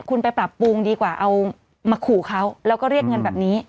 คุณไปปรับปรุงดีกว่าเอามาขู่เขาแล้วก็เรียกเงินแบบนี้